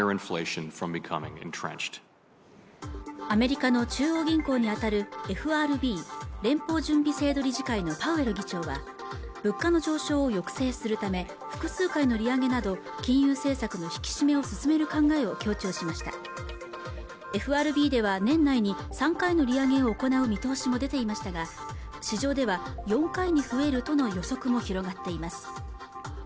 アメリカの中央銀行にあたるＦＲＢ連邦準備制度理事会のパウエル議長は物価の上昇を抑制するため複数回の利上げなど金融政策の引き締めを進める考えを強調しましたＦＲＢでは年内に３回の利上げを行う見通しも出ていましたが市場では４回に増えるとの予測も広がっています